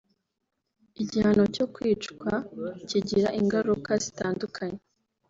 Igihano cyo kwicwa kigira ingaruka zitandukanye